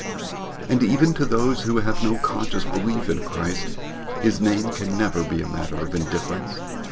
And even to those who have no conscious belief in Christ, his name can never be a matter of indifference.